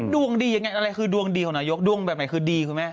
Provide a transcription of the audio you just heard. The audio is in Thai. ดวงดียังไงอะไรคือดวงดีของนายกดวงแบบไหนคือดีคุณแม่